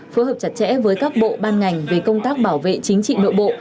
phối hợp chặt chẽ với các bộ ban ngành về công tác bảo vệ chính trị nội bộ